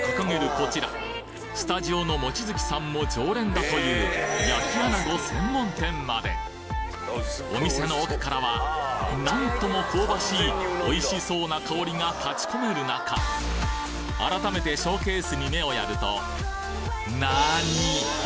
こちらスタジオの望月さんも常連だという焼き穴子専門店までお店の奥からは何とも香ばしいおいしそうな香りが立ち込める中改めてショーケースに目をやるとなに！？